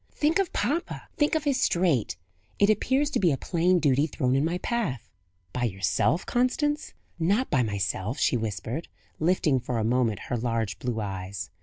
"Think of papa! think of his strait! It appears to be a plain duty thrown in my path." "By yourself, Constance?" "Not by myself," she whispered, lifting for a moment her large blue eyes.